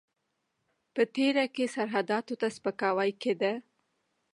په تېر کې سرحداتو ته سپکاوی کېده.